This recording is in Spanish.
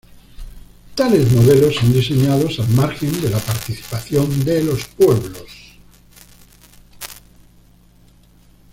Tales modelos son diseñados al margen de la participación de los pueblos.